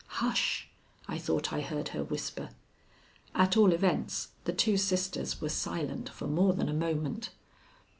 "Hush!" I thought I heard her whisper. At all events the two sisters were silent for more than a moment.